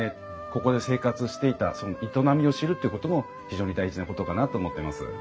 ここで生活していたその営みを知るっていうことも非常に大事なことかなと思ってます。